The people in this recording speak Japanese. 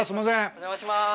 お邪魔します。